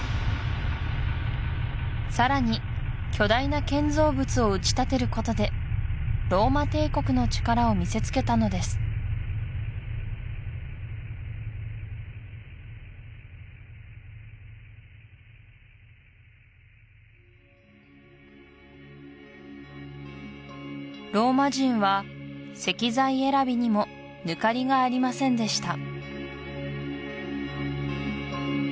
さらに巨大な建造物を打ち立てることでローマ帝国の力を見せつけたのですローマ人は石材選びにも抜かりがありませんでした